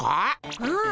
うん。